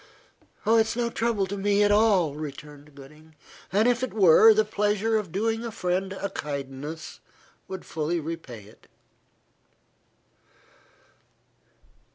"It is no trouble to me at all," returned Gooding, "and if it were, the pleasure of doing a friend a kindness would fully repay it."